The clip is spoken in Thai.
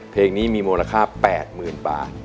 เพลงนี้มีมูลค่า๘๐๐๐บาท